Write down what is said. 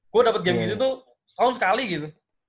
gue dapet game gitu tuh tahun sekali gitu